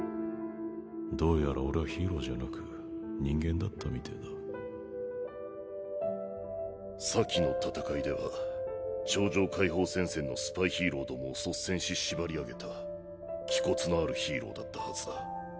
どうやら俺はヒーローじゃなく人間だったみてぇだ先の戦いでは超常解放戦線のスパイヒーロー共を率先し縛り上げた気骨のあるヒーローだったハズだ。